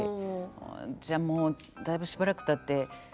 じゃあもうだいぶしばらくたって大久保佳代子。